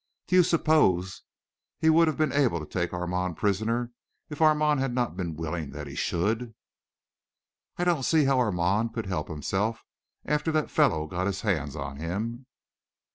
Do you suppose he would have been able to take Armand prisoner if Armand had not been willing that he should?" "I don't see how Armand could help himself after that fellow got his hands on him."